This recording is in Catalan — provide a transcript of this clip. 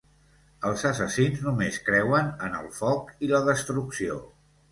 Els assassins només creuen en el foc i la destrucció.